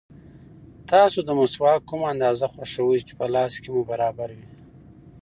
تاسو د مسواک کومه اندازه خوښوئ چې په لاس کې مو برابر وي؟